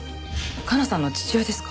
香奈さんの父親ですか？